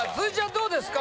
どうですか？